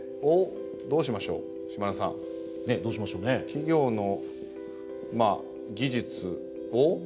をどうしましょう島田さん。どうしましょうね。企業のまあ技術を。